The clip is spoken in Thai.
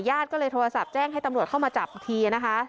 ญาติก็เลยโทรศัพท์แจ้งให้ตำรวจเข้ามาจับทีนะคะ